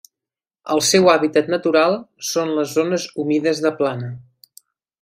El seu hàbitat natural són les zones humides de plana.